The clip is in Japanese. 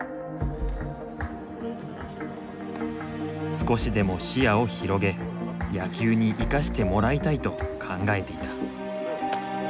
少しでも視野を広げ野球に生かしてもらいたいと考えていた。